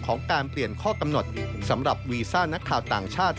การเปลี่ยนข้อกำหนดสำหรับวีซ่านักข่าวต่างชาติ